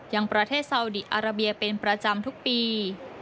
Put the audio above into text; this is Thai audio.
ยังประเทศซาวดีอาราเบียเป็นประจำทุกปี